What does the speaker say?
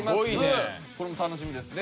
これも楽しみですね。